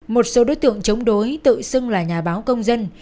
một số đối tượng chống đối tự xưng là nhà báo công dân